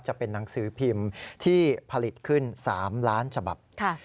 จะเป็นหนังสือพิมพ์ที่ผลิตขึ้น๓ล้านฉบับ